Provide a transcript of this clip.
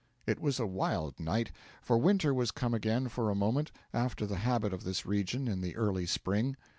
It was a wild night, for winter was come again for a moment, after the habit of this region in the early spring.